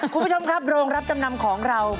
คุณผู้ชมครับโรงรับจำนำของเรา